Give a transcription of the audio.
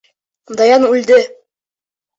Даян үлде.